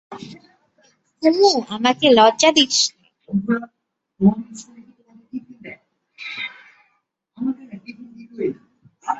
কুমু, আমাকে লজ্জা দিস নে।